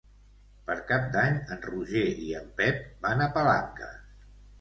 Per Cap d'Any en Roger i en Pep van a Palanques.